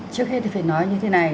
trước hết thì phải nói như thế này